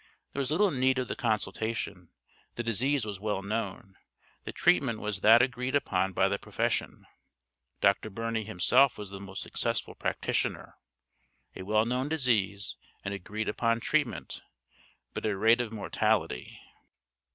There was little need of the consultation; the disease was well known, the treatment was that agreed upon by the profession; Dr. Birney himself was the most successful practitioner. A well known disease, an agreed upon treatment but a rate of mortality.